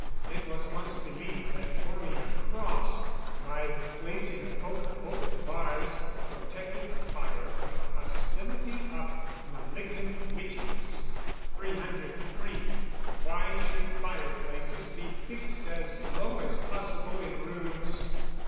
It was once believed that forming a cross, by placing the poker over the bars, protected the fire from the hostility of malignant witches! 303. _Why should fire places be fixed as low as possible in rooms?